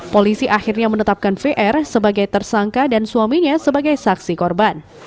polisi akhirnya menetapkan vr sebagai tersangka dan suaminya sebagai saksi korban